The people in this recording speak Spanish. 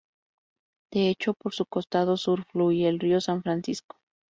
De hecho por su costado sur fluía el Río San Francisco.